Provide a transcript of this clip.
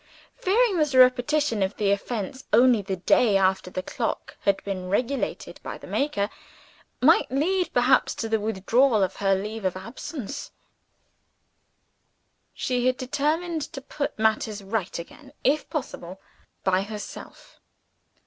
Fearing that a repetition of the offense, only the day after the clock had been regulated by the maker, might lead perhaps to the withdrawal of her leave of absence, she had determined to put matters right again, if possible, by herself.